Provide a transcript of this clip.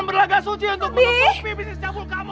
kamu jangan beragak suci untuk menutupi bisnis cabul kamu